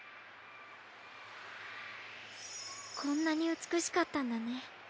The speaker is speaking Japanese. こんなにうつくしかったんだね。